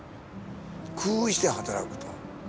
工夫して働くと。